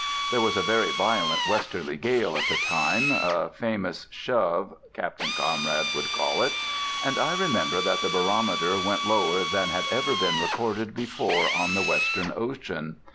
There was a very violent westerly gale at the time—a famous shove, Captain Conrad would call it—and I remember that the barometer went lower than had ever been recorded before on the western ocean.